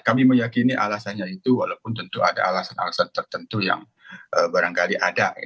kami meyakini alasannya itu walaupun tentu ada alasan alasan tertentu yang barangkali ada